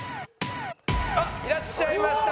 あっいらっしゃいました。